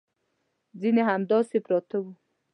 ځینې همداسې پراته وو.